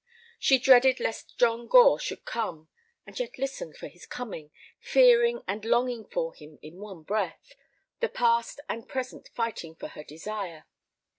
She dreaded lest John Gore should come, and yet listened for his coming, fearing and longing for him in one breath, the past and present fighting for her desire.